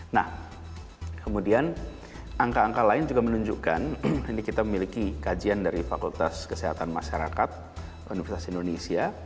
nah kemudian angka angka lain juga menunjukkan ini kita memiliki kajian dari fakultas kesehatan masyarakat universitas indonesia